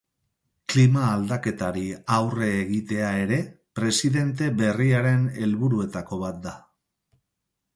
Klima aldaketari aurre egitea ere presidente berriaren helburuetako bat da.